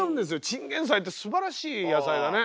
チンゲンサイってすばらしい野菜だね。